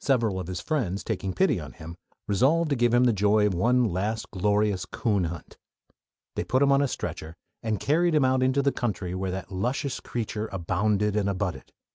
Several of his friends, taking pity on him, resolved to give him the joy of one last glorious coon hunt. They put him on a stretcher and carried him out into the country where that luscious creature "abounded and abutted."